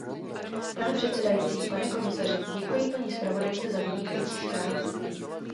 Pane předsedající, pane komisaři, děkuji paní zpravodajce za vynikající zprávu.